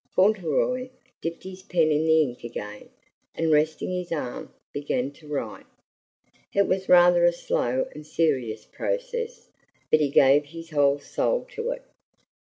Fauntleroy dipped his pen in the ink again, and resting his arm, began to write. It was rather a slow and serious process, but he gave his whole soul to it.